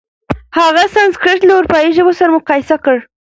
هغه سانسکریت له اروپايي ژبو سره مقایسه کړه.